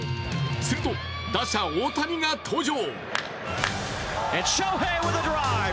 すると打者・大谷が登場。